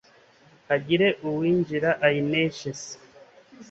hagire uwinjira ayineshe se